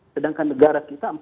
sedangkan negara kita empat sembilan